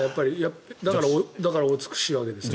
だからお美しいわけですね。